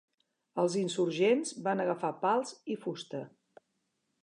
Els insurgents van agafar pals i fusta.